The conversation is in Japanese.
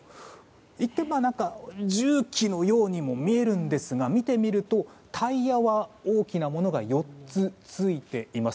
一見、重機のようにも見えますが見てみるとタイヤは大きなものが４つついています。